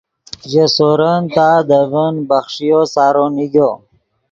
ژے سورن تا دے ڤین بخݰیو سارو نیگو